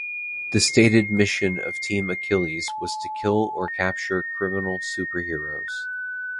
The stated mission of Team Achilles was to kill or capture criminal superhumans.